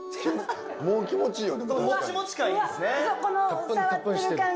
うわ気持ちいい。